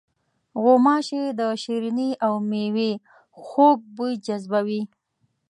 غوماشې د شریني او میوې خوږ بوی جذبوي.